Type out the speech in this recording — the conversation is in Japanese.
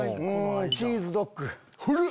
チーズドッグ。